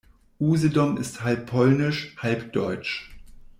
Usedom ist halb polnisch, halb deutsch.